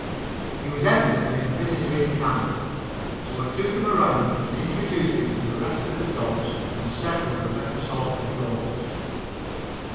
He was evidently a visitor in camp, so I took him around and introduced him to the rest of the dogs and several of the better sort of goats.